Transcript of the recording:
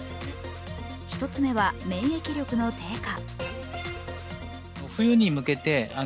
１つ目は免疫力の低下。